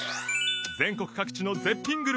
全国各地の絶品グルメや感動